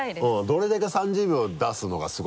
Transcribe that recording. どれだけ３０秒出すのがすごい